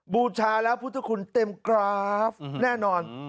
บูชาแล้วพุทธคุณเต็มกราฟแน่นอน